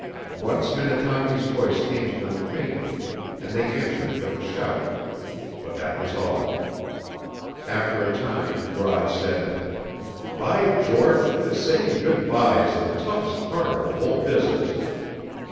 Once Minnetaki's voice came to them faintly, and they answered it with a shout. But that was all. After a time Rod said, "By George, this saying good by is the toughest part of the whole business!"